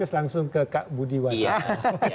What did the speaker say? itu langsung ke kak budi waseso